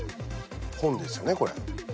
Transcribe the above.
本ですよねこれ。